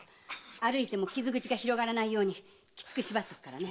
歩いても傷口が広がらないようにきつく縛っておくからね。